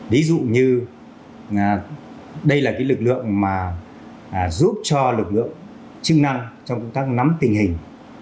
ví dụ như đây là cái lực lượng mà giúp cho lực lượng chức năng trong công tác nắm tình hình